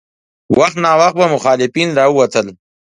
وخت ناوخت به مخالفین راوتل.